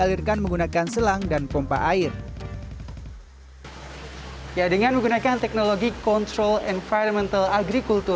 kita bisa memprediksi